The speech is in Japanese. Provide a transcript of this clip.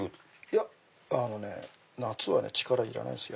いやあのね夏は力いらないです